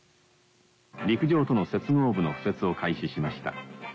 陸上との接合部の敷設を開始しました。